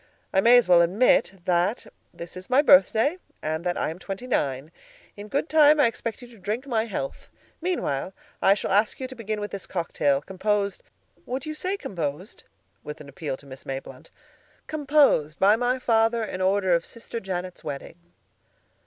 I may as well admit that this is my birthday, and that I am twenty nine. In good time I expect you to drink my health. Meanwhile, I shall ask you to begin with this cocktail, composed—would you say 'composed?'" with an appeal to Miss Mayblunt—"composed by my father in honor of Sister Janet's wedding."